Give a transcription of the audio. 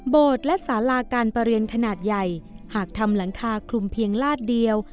และสาราการประเรียนขนาดใหญ่หากทำหลังคาคลุมเพียงลาดเดียว